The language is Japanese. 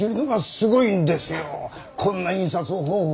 こんな印刷方法